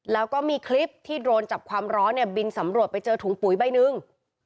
แล้วก็มีคลิปที่โดรนจับความร้อนเนี่ยบินสำรวจไปเจอถุงปุ๋ยใบหนึ่ง